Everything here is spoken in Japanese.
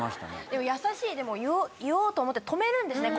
でも優しい言おうと思って止めるんですね